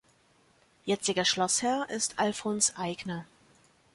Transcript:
Jetziger Schlossherr ist Alfons Aigner.